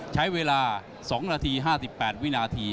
ใช้เวลา๒นาที๕๘วินาที